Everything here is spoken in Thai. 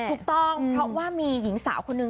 ถูกต้องเพราะว่ามีหญิงสาวคนนึง